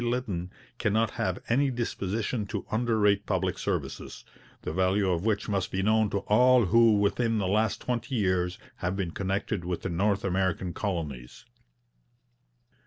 Lytton cannot have any disposition to underrate public services, the value of which must be known to all who within the last twenty years have been connected with the North American Colonies.'